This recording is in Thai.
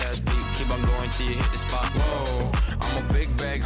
เหมือนจะต้องชิลโต๊ะสบาย